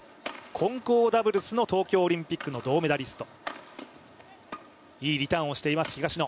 混合ダブルスの東京オリンピックの銅メダリスト。